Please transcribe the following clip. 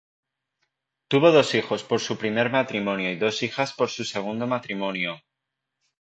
Tuvo dos hijos por su primer matrimonio y dos hijas por su segundo matrimonio.